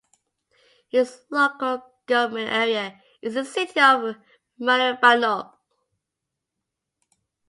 Its local government area is the City of Maribyrnong.